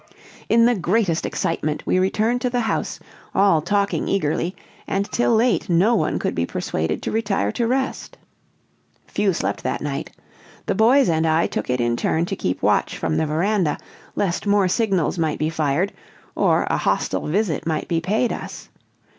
In the greatest excitement we returned to the house, all talking eagerly, and till late no one could be persuaded to retire to rest. Few slept that night. The boys and I took it in turn to keep watch from the veranda, lest more signals might be fired, or a hostile visit might be paid us.